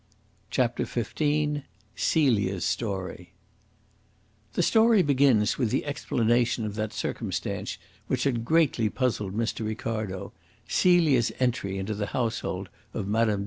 CHAPTER XV CELIA'S STORY The story begins with the explanation of that circumstance which had greatly puzzled Mr. Ricardo Celia's entry into the household of Mme.